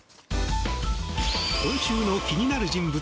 今週の気になる人物